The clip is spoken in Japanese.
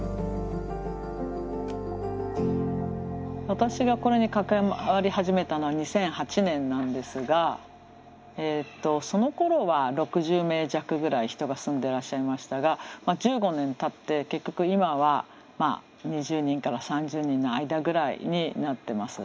私がこれに関わり始めたのは２００８年なんですがえっとそのころは６０名弱ぐらい人が住んでらっしゃいましたが１５年たって結局今は２０人から３０人の間ぐらいになってます。